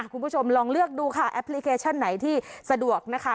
คุณผู้ชมลองเลือกดูค่ะแอปพลิเคชันไหนที่สะดวกนะคะ